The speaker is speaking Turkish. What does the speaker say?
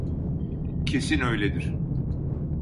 Kesin öyledir.